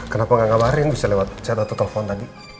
kenapa nggak ngabarin bisa lewat chat atau telepon tadi